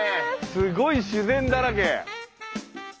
すごい自然だらけ。